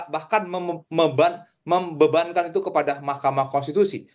bahkan membebankan itu kepada mahkamah konstitusi